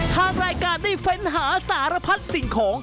ทางรายการได้เฟ้นหาสารพัดสิ่งของ